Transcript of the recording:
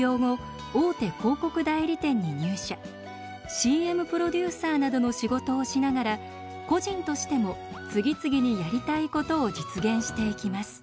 ＣＭプロデューサーなどの仕事をしながら個人としても次々にやりたいことを実現していきます。